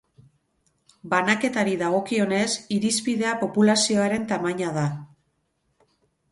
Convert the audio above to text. Banaketari dagokionez, irizpidea populazioaren tamaina da.